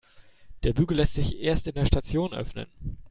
Der Bügel lässt sich erst in der Station öffnen.